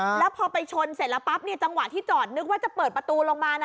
แล้วพอไปชนเสร็จแล้วปั๊บเนี่ยจังหวะที่จอดนึกว่าจะเปิดประตูลงมานะ